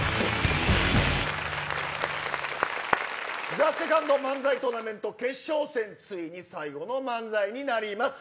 ＴＨＥＳＥＣＯＮＤ漫才トーナメント決勝戦ついに最後の漫才になります。